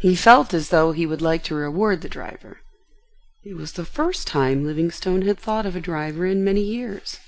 He felt as though he would like to reward the driver. It was the first time Livingstone had thought of a driver in many years.